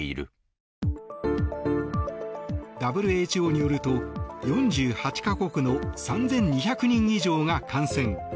ＷＨＯによると、４８か国の３２００人以上が感染。